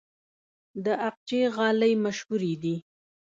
د اقچې غالۍ مشهورې دي